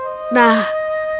nah sekarang kau ambillah emas ini